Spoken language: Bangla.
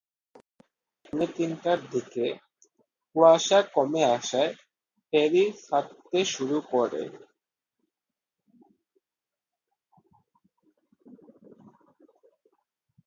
রাত পৌনে তিনটার দিকে কুয়াশা কমে আসায় ফেরি ছাড়তে শুরু করে।